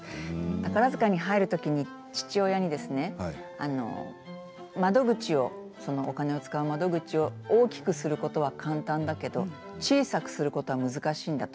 宝塚に入るときに父親にねお金を使う窓を大きくするのは簡単だけど小さくするということは難しいんだと。